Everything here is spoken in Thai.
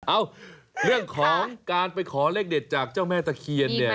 เอ้าเรื่องของการไปขอเลขเด็ดจากเจ้าแม่ตะเคียนเนี่ย